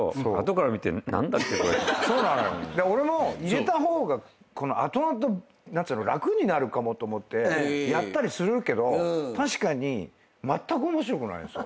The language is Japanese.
俺も入れた方が後々楽になるかもと思ってやったりするけど確かにまったく面白くないんですよ。